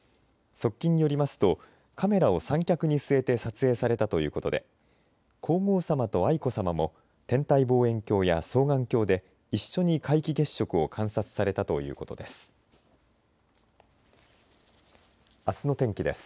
側近によりますとカメラを三脚に据えて撮影されたということで皇后さまと愛子さまも天体望遠鏡や双眼鏡で一緒に皆既月食を観察されたということです。